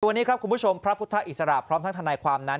วันนี้ครับคุณผู้ชมพระพุทธอิสระพร้อมทั้งทนายความนั้น